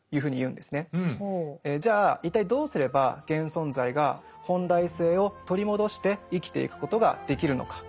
じゃあ一体どうすれば現存在が本来性を取り戻して生きていくことができるのか。